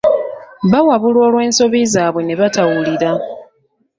Bawabulwa olw'ensobi zaabwe ne batawulira.